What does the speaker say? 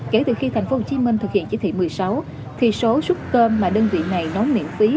kể từ khi tp hcm thực hiện chỉ thị một mươi sáu thì số súc tôm mà đơn vị này nấu miễn phí